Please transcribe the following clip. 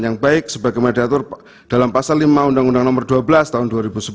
yang baik sebagaimana diatur dalam pasal lima undang undang nomor dua belas tahun dua ribu sebelas